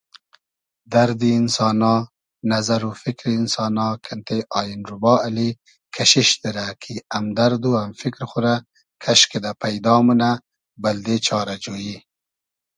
دئردی اینسانا ، نئزئر و فیکری اینسانا کئنتې آین روبا اللی کئشیش دیرۂ کی امدئرد و ام فیکر خو رۂ کئش کیدۂ پݷدا مونۂ بئلدې چارۂ جۉیی